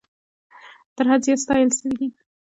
تر حد زیات ستایل سوي دي.